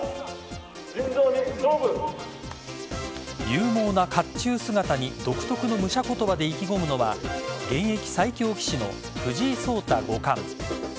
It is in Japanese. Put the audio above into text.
勇猛な甲冑姿に独特の武者言葉で意気込むのは現役最強棋士の藤井聡太五冠。